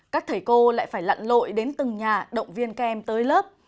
các thầy cô lại phải lặn lội đến từng nhà động viên các em tới lớp